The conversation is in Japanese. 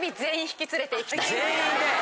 全員で？